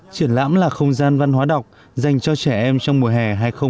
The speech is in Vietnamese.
triển lãm là không gian văn hóa đọc dành cho trẻ em trong mùa hè hai nghìn hai mươi bốn